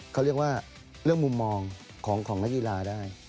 เขาเรียกว่าเรื่องมุมมองของนักกีฬาได้